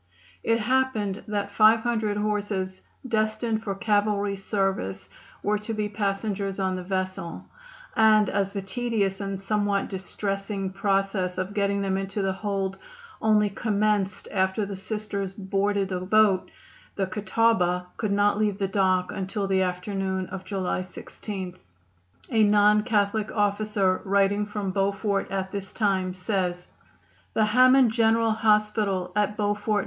It happened that 500 horses, destined for cavalry service, were to be passengers on the vessel, and as the tedious and somewhat distressing process of getting them into the hold only commenced after the Sisters boarded the boat the Catawaba could not leave the dock until the afternoon of July 16. A non Catholic officer writing from Beaufort at this time says: "The Hammond General Hospital, at Beaufort, N.